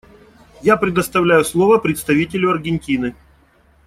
Я предоставляю слово представителю Аргентины.